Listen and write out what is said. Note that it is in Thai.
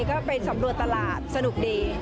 ก็ไปสำรวจตลาดสนุกดี